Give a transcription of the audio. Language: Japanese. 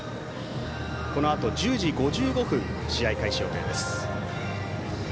このあと１０時５５分試合開始予定です。